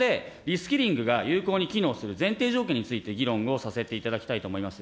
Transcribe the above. そこで、リスキリングが有効に機能する前提条件について議論をさせていただきたいと思います。